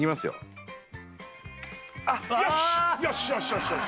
よし！